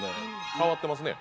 変わってますね。